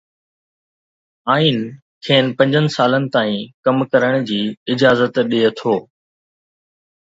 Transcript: آئين کين پنجن سالن تائين ڪم ڪرڻ جي اجازت ڏئي ٿو.